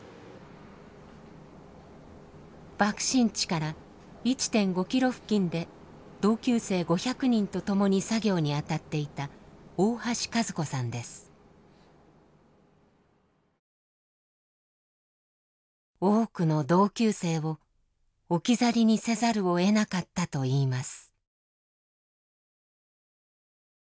爆心地から１．５ｋｍ付近で同級生５００人と共に作業に当たっていた多くの同級生を置き去りにせざるをえなかったといいます。